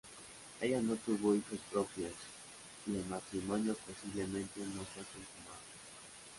Ella no tuvo hijos propios y el matrimonio posiblemente no fue consumado.